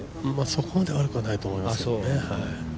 そこまで悪くはないと思いますね。